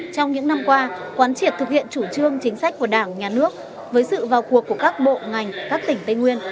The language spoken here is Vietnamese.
trong những năm qua quán triệt thực hiện chủ trương chính sách của đảng nhà nước với sự vào cuộc của các bộ ngành các tỉnh tây nguyên